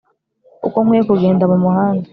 Uko nkwiye kugenda mumuhanda